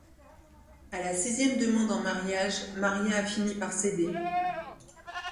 À la sixième demande en mariage, Maria a fini par céder.